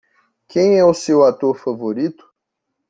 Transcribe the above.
Quem é seu ator favorito?